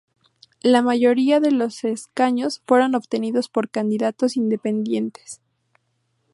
La mayoría de los escaños fueron obtenidos por candidatos independientes.